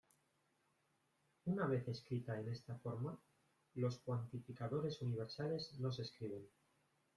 Una vez escrita en esta forma los cuantificadores universales no se escriben.